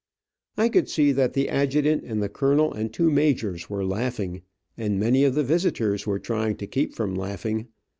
I could see that the adjutant and the colonel and two majors, were laughing, and many of the visitors were trying to keep from laughing.